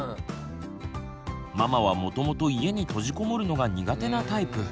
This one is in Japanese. ママはもともと家に閉じこもるのが苦手なタイプ。